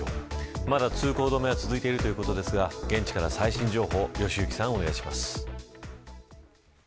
まだ通行止めは続いているということですが現地から最新情報を良幸さん、お願いします。